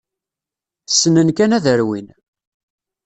Ssnen kan ad rwin.